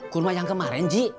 kurma yang kemarin ji